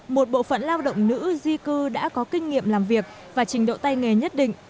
một bộ phận lao động nữ di cư đã có kinh nghiệm làm việc và trình độ tay nghề nhất định